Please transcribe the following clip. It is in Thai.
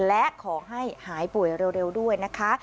และขอให้หายป่วยเร็วด้วยนะคะ